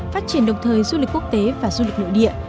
phát triển đồng thời du lịch quốc tế và du lịch nội địa